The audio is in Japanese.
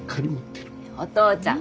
お父ちゃん